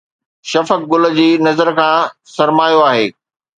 شفق گل جي نظر کان سرمايو آهي